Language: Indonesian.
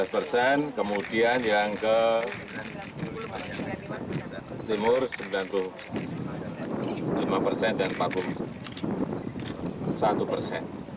lima belas persen kemudian yang ke timur sembilan puluh lima persen dan empat puluh satu persen